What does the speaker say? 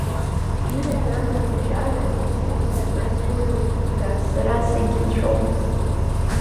Дгьыли жәҩани рыбжьара егьсыхьӡом, сара суаҩуп, дад, сара сегьынцәоуп.